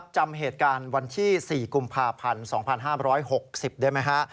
จำเหตุการณ์วันที่๔กุมภาพันธ์๒๕๖๐ได้ไหมฮะ